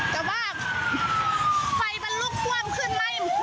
แต่ว่าไฟมันลุกร่วมขึ้นไหมบอสไซค่ะ